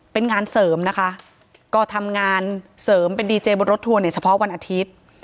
เป็นงานเสริมนะคะก็ทำงานเสริมเป็นดีเจบนรถทัวร์ในเฉพาะวันอาทิตย์